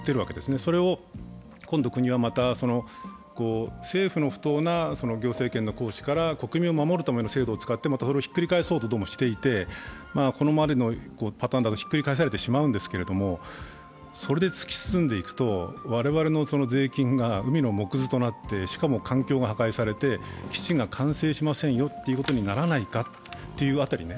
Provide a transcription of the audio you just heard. それを今度国は、また政府の不当な行政権の行使から国民を守るための制度を使って、またそれをひっくり返そうとしていて、これまでのパターンだとひっくり返されてしまうんですけど、それで突き進んでいくと、我々の税金が海の藻くずとなって、しかも環境が破壊されて、基地が完成しませんよということにならないかという辺りね。